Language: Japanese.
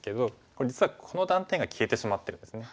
これ実はこの断点が消えてしまってるんですね。